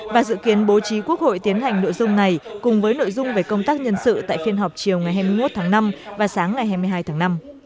và dự kiến bố trí quốc hội tiến hành nội dung này cùng với nội dung về công tác nhân sự tại phiên họp chiều ngày hai mươi một tháng năm và sáng ngày hai mươi hai tháng năm